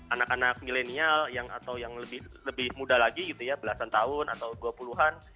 anak anak milenial atau yang lebih muda lagi gitu ya belasan tahun atau dua puluh an